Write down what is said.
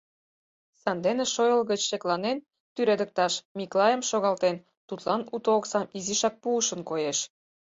Сандене шойыл гыч шекланен тӱредыкташ Миклайым шогалтен, тудлан уто оксам изишак пуышын коеш.